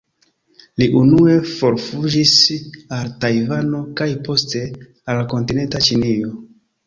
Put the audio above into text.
Li unue forfuĝis al Tajvano kaj poste al kontinenta Ĉinio.